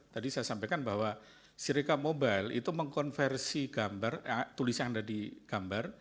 tadi saya sampaikan bahwa sirikap mobile itu mengkonversi tulisan dari gambar